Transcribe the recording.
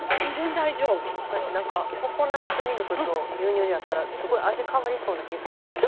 ココナツミルクと牛乳やったら味変わりそうな気するんですけど。